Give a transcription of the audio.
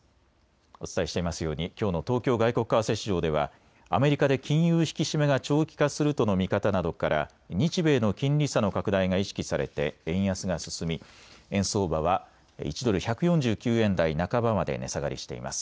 お伝えしていますようにきょうの東京外国為替市場ではアメリカで金融引き締めが長期化するとの見方などから日米の金利差の拡大が意識されて円安が進み円相場は１ドル１４９円台半ばまで値下がりしています。